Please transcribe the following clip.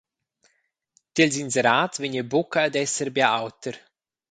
Tiels inserats vegn ei buca ad esser bia auter.